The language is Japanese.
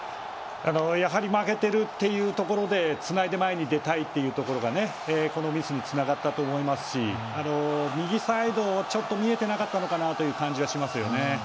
やはり負けているということでつないで前に出たいところがこのミスにつながったと思いますし右サイド、ちょっと見えていなかったのかなという感じはしますよね。